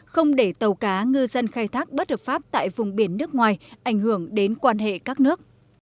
không để tàu cá ngư dân khai thác bất hợp pháp tại vùng biển nước ngoài ảnh hưởng đến quan hệ các nước